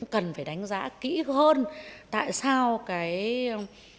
cần phải đánh giá kỹ hơn tại sao cái lĩnh vực về vàng nó lại nhảy múa